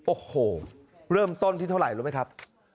โอ้โหเริ่มต้นที่เท่าไหร่รู้ไหมครับ